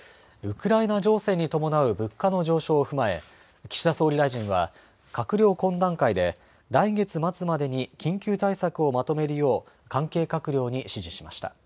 ウクライナ情勢に伴う物価の上昇を踏まえ岸田総理大臣は閣僚懇談会で来月末までに緊急対策をまとめるよう関係閣僚に指示しました。